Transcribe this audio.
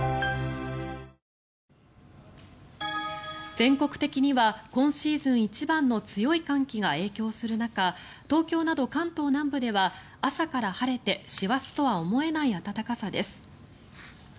全国的には今シーズン一番の強い寒気が影響する中東京など関東南部では朝から晴れて師走とは思えない暖かさです。